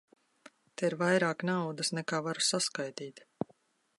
Te ir vairāk naudas, nekā varu saskaitīt.